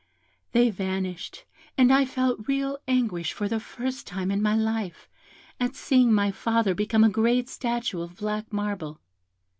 "They vanished, and I felt real anguish for the first time in my life, at seeing my father become a great statue of black marble.